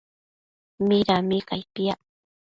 Midami cai piac?